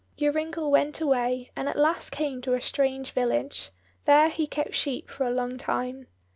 Joringel went away, and at last came to a strange village; there he kept sheep for a long time.